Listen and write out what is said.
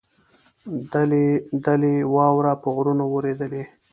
دلۍ دلۍ واوره په غرونو ورېدلې.